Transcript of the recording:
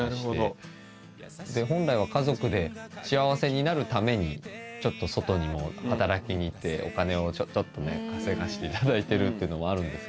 本来は家族で幸せになるためにちょっと外にも働きに行ってお金をちょちょっとね稼がせて頂いてるっていうのもあるんですけど。